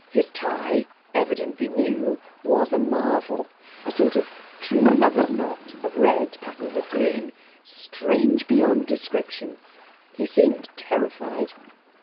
His tie, evidently new, was a marvel, a sort of true lover's knot of red patterned with green, strange beyond description. He seemed terrified.